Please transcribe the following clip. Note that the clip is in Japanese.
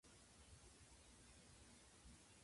協力求む